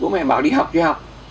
không phải là bố mẹ bảo đi học cho học